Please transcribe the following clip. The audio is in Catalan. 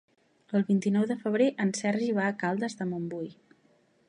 El vint-i-nou de febrer en Sergi va a Caldes de Montbui.